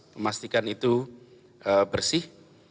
memastikan itu bersih